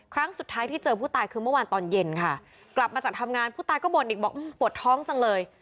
ครั้งสุดท้ายที่เจอผู้ตายคือเมื่อวานตอนเย็นค่ะกลับมาจากทำงานผู้ตายก็บ่นอีกบอกปวดท้องจังเลย